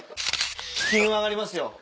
金運上がりますよ。